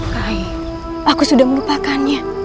ray aku sudah melupakannya